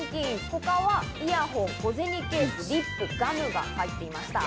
他はイヤホン、小銭ケース、リップ、ガムが入っていました。